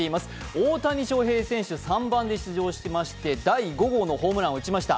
大谷翔平選手３番で出場しましてホームランを打ちました。